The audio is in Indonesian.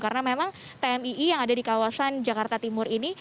karena memang tmii yang ada di kawasan jakarta timur ini